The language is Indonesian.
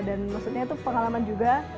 dan maksudnya itu pengalaman juga